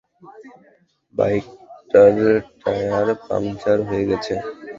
বাইকটার tyre puncture হয়ে গেছে।